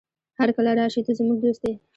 هرکله راشې، ته زموږ دوست يې.